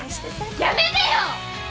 やめてよ！